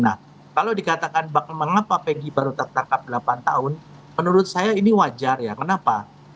nah kalau dikatakan mengapa pegi baru tertangkap delapan tahun menurut saya ini wajar ya kenapa